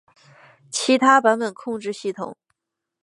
其他版本控制系统